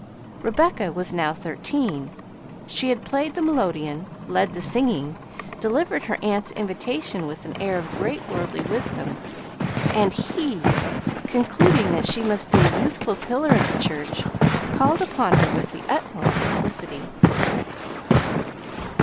Rebecca was now thirteen; she had played the melodeon, led the singing, delivered her aunts' invitation with an air of great worldly wisdom, and he, concluding that she must be a youthful pillar of the church, called upon her with the utmost simplicity.